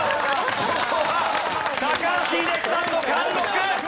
ここは高橋英樹さんの貫禄！